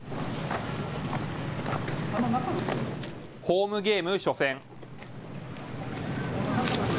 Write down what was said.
ホームゲーム初戦。